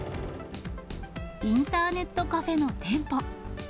インターネットカフェの店舗。